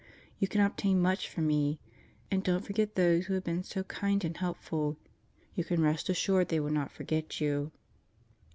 You can obtain much for me. And don't forget those who have been so kind and helpful. You can rest assured they will not forget you.